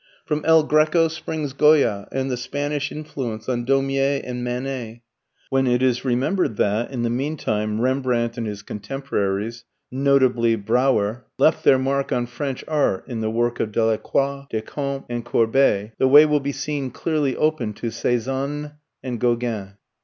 From El Greco springs Goya and the Spanish influence on Daumier and Manet. When it is remembered that, in the meantime, Rembrandt and his contemporaries, notably Brouwer, left their mark on French art in the work of Delacroix, Decamps and Courbet, the way will be seen clearly open to Cezanne and Gauguin.